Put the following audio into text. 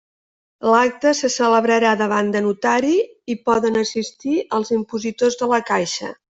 L'acte se celebrarà davant de notari, i poden assistir els impositors de la caixa.